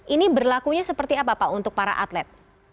ini berlakunya seperti apa pak untuk para atlet